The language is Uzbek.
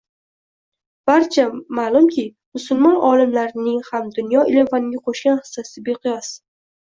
Barcha maʼlumki, musulmon olimlarining ham dunyo ilm faniga qoʻshgan xissasi beqiyos.